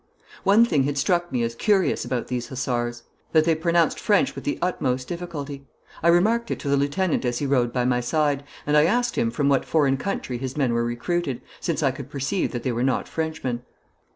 One thing had struck me as curious about these hussars that they pronounced French with the utmost difficulty. I remarked it to the lieutenant as he rode by my side, and I asked him from what foreign country his men were recruited, since I could perceive that they were not Frenchmen.